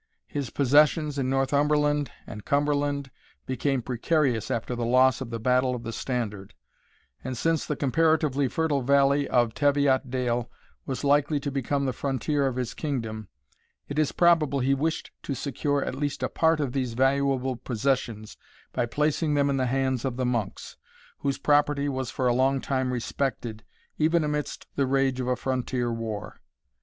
His possessions in Northumberland and Cumberland became precarious after the loss of the Battle of the Standard; and since the comparatively fertile valley of Teviot dale was likely to become the frontier of his kingdom, it is probable he wished to secure at least a part of these valuable possessions by placing them in the hands of the monks, whose property was for a long time respected, even amidst the rage of a frontier war.